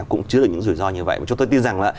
cũng chứa được những rủi ro như vậy mà chúng tôi tin rằng là